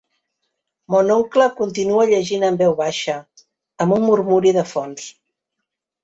Mon oncle continua llegint en veu baixa, amb un murmuri de fons.